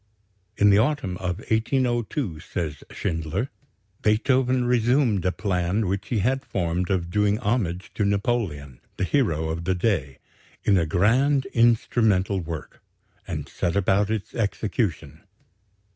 In the autumn of 1802, says Schindler, Beethoven resumed a plan which he had formed of doing homage to Napoleon, the hero of the day, "in a grand instrumental work," and set about its execution.